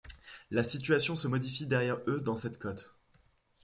La situation se modifie derrière eux dans cette côte.